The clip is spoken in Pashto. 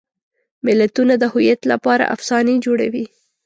ملتونه د هویت لپاره افسانې جوړوي.